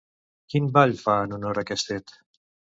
Quin ball fa en honor a aquest fet?